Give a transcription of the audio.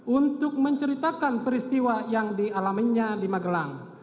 untuk menceritakan peristiwa yang dialaminya di magelang